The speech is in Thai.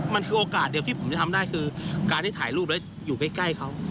มันคือโอกาสเดียวที่ผมจะทำได้คือการที่ถ่ายรูปแล้วอยู่ใกล้เขา